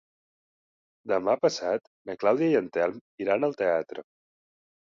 Demà passat na Clàudia i en Telm iran al teatre.